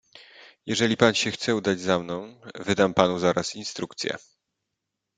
"Jeżeli pan się chce udać za mną, wydam panu zaraz instrukcje."